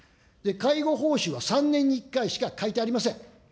介護報酬は３年に１回しか改定ありません。